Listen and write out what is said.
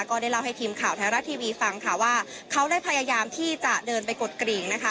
ก็ได้เล่าให้ทีมข่าวไทยรัฐทีวีฟังค่ะว่าเขาได้พยายามที่จะเดินไปกดกริ่งนะคะ